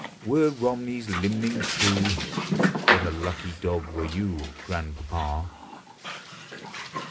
Were Komnev's limning true, What a lucky dog were you, Grandpapa